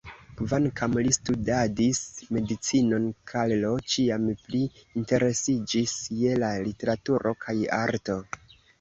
Kvankam li studadis medicinon, Karlo ĉiam pli interesiĝis je la literaturo kaj arto.